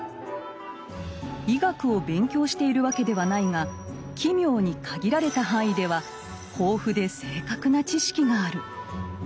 医学を勉強しているわけではないが奇妙に限られた範囲では豊富で正確な知識がある。